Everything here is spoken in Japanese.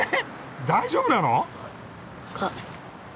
大丈夫なの？